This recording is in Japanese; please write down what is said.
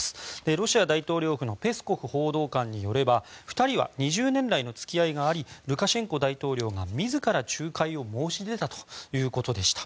ロシア大統領府のペスコフ報道官によれば２人は２０年来の付き合いがありルカシェンコ大統領が自ら仲介を申し出たということでした。